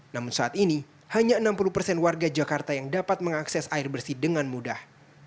namun saat ini hanya enam puluh persen warga jakarta yang dapat mengakses air bersih dengan mudah